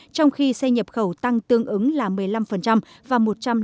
trong khi xe nhập khẩu tăng tương ứng là một mươi năm và một trăm linh ba